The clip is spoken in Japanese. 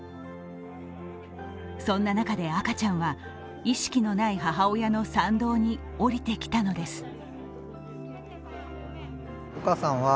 そんな中で、赤ちゃんは意識のない母親の産道におりてきたのです。